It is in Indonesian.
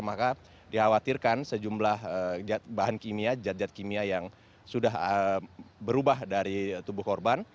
maka dikhawatirkan sejumlah bahan kimia zat zat kimia yang sudah berubah dari tubuh korban